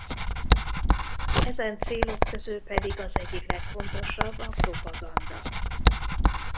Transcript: Ezen célok közül pedig az egyik legfontosabb a propaganda.